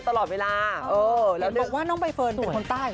แต่หน้าวางมากเลย